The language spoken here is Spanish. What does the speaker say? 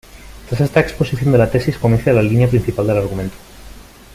Tras esta exposición de la tesis, comienza la línea principal del argumento.